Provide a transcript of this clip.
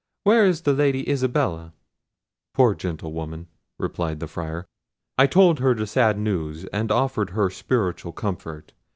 Where is the Lady Isabella?" "Poor Gentlewoman!" replied the Friar; "I told her the sad news, and offered her spiritual comfort.